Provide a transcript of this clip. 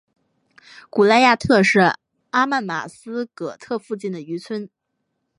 古赖亚特是阿曼马斯喀特附近的渔村。